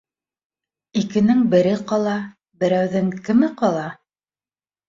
Икенең бере ҡала, берәүҙең кеме ҡала?